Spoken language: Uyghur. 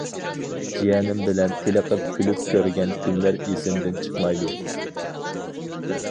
جىيەنىم بىلەن تېلىقىپ كۈلۈپ كۆرگەن كۈنلەر ئېسىمدىن چىقمايدۇ.